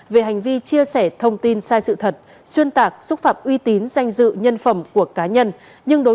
về hành vi chia sẻ thông tin sai sự thật xuyên tạc xúc phạm uy tín danh dự nhân phẩm của cá nhân